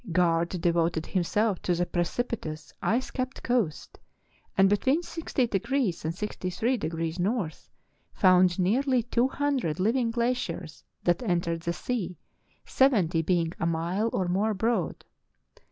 Garde devoted himself to the precipitous, ice capped coast, and between 60° and 63° N. found nearly two hundred living glaciers that entered the sea, seventy being a mile or more broad.